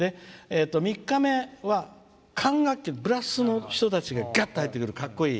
３日目は、管楽器ブラスの人たちががっと入ってくるかっこいい。